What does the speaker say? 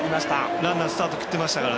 ランナー、スタート切ってましたから。